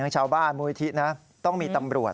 ทั้งชาวบ้านมูลทิกต้องมีตำรวจ